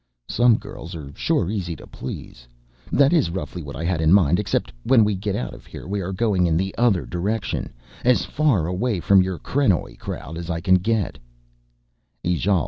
"Some girls are sure easy to please. That is roughly what I had in mind, except when we get out of here we are going in the other direction, as far away from your krenoj crowd as I can get."